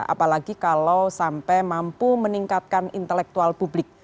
apalagi kalau sampai mampu meningkatkan intelektual publik